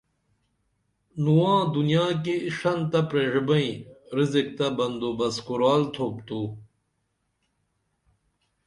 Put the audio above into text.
نواں دنیا کی ݜن تہ پریݜبئیں رزق تہ بندوبست کُرال تھوپ تو